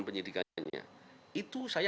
penyidikannya itu saya